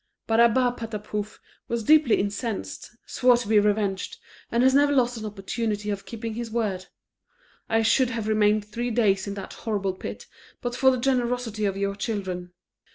Barabapatapouf was deeply incensed, swore to be revenged, and has never lost an opportunity of keeping his word. I should have remained three days in that horrible pit but for the generosity of your children."